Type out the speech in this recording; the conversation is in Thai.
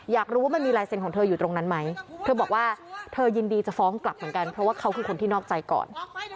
อยากรู้ว่ามันมีลายเซ็นต์ของเธออยู่ตรงนั้นไหมเธอบอกว่าเธอยินดีจะฟ้องกลับเหมือนกันเพราะว่าเขาคือคนที่นอกใจก่อน